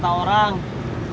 mas pur baik dah